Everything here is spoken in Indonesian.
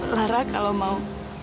lara kalau mau